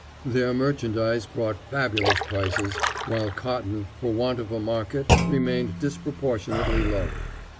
Their merchandise brought fabulous prices, while cotton, for want of a market, remained disproportionately low.